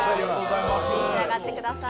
召し上がってください。